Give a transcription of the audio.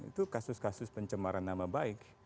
itu kasus kasus pencemaran nama baik